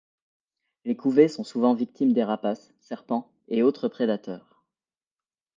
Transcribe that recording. Les couvées sont souvent victimes des rapaces, serpents et autres prédateurs.